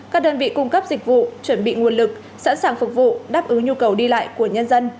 các đơn vị cung cấp dịch vụ chuẩn bị nguồn lực sẵn sàng phục vụ đáp ứng nhu cầu đi lại của nhân dân